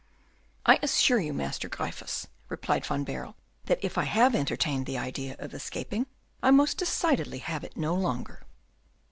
"I assure you, Master Gryphus," replied Van Baerle, "that if I have entertained the idea of escaping, I most decidedly have it no longer."